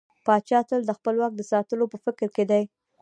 پاچا تل د خپل واک د ساتلو په فکر کې دى.